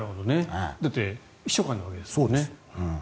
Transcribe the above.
だって秘書官なわけですからね。